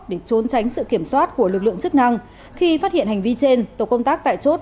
để trốn tránh sự kiểm soát của lực lượng chức năng khi phát hiện hành vi trên tổ công tác tại chốt